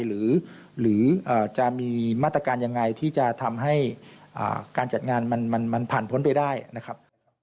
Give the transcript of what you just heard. หรือจะมีมาตรการยังไงที่จะทำให้การจัดงานมันผ่านพ้นไปได้นะครับ